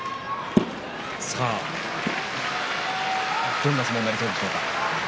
どんな相撲になりそうですか？